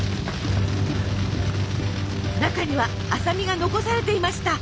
中には麻美が残されていました。